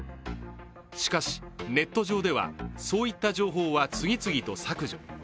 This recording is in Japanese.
しかしネット上ではそういった情報は次々と削除。